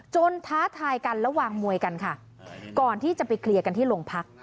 ท้าทายกันแล้ววางมวยกันค่ะก่อนที่จะไปเคลียร์กันที่โรงพัก